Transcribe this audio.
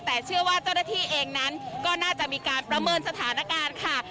แต่เชื่อว่าเจ้าหน้าที่เองนั้นก็น่าจะมีการประเมินสถานการณ์ค่ะ